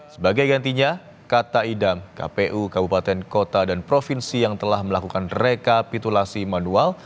sebagai gantinya kata idam kpu kabupaten kota dan provinsi yang telah melakukan rekapitulasi manual